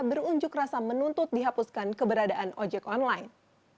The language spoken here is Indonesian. berunjuk rasa menuntut dihapuskan keberadaan ojek online